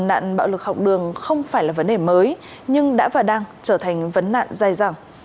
nạn bạo lực học đường không phải là vấn đề mới nhưng đã và đang trở thành vấn nạn dài dẳng